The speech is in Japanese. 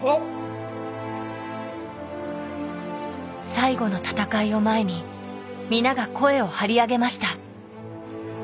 最後の戦いを前に皆が声を張り上げました。